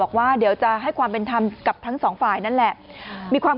บอกว่าเดี๋ยวจะให้ความเป็นธรรมกับทั้งสองฝ่ายนั่นแหละมีความ